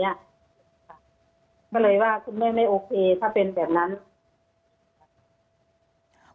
ก็เลยว่าคุณแม่ไม่โอเคถ้าเป็นแบบนั้นค่ะ